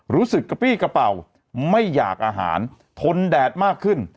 รู้สึกกระปี้กระเป๋าไม่อยากอาหารทนแดดมากขึ้น